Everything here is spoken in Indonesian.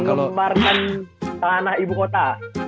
mengembarkan tanah ibu kota